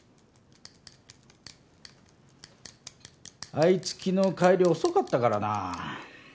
あいつ昨日帰り遅かったからな。